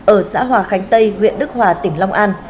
ở xã hòa khánh tây huyện đức hòa tỉnh long an